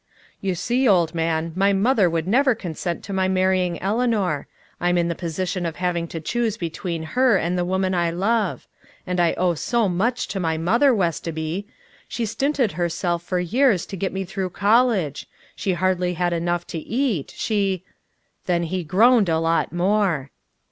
"You see, old man, my mother would never consent to my marrying Eleanor. I'm in the position of having to choose between her and the woman I love. And I owe so much to my mother, Westoby. She stinted herself for years to get me through college; she hardly had enough to eat; she...." Then he groaned a lot more.